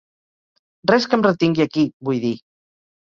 Res que em retingui aquí, vull dir.